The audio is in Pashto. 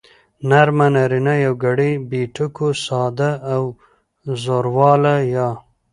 نرمه نارينه يوگړې بې ټکو ساده او زورواله يا